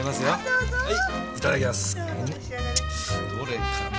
どれから。